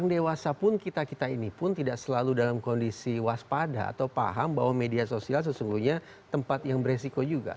orang dewasa pun kita kita ini pun tidak selalu dalam kondisi waspada atau paham bahwa media sosial sesungguhnya tempat yang beresiko juga